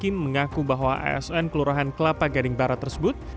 hakim mengaku bahwa asn kelurahan kelapa gading barat tersebut